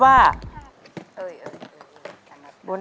ไม่ออกไปเลย